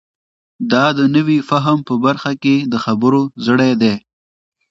دا د نوي فهم په برخه کې د خبرو زړی دی.